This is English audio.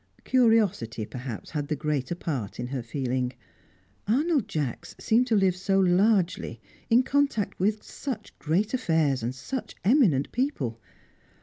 Curiosity, perhaps, had the greater part in her feeling. Arnold Jacks seemed to live so "largely," in contact with such great affairs and such eminent people.